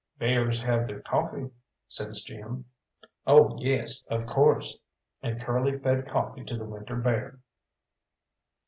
"Bears have their coffee," says Jim. "Oh yes, of course," and Curly fed coffee to the winter bear.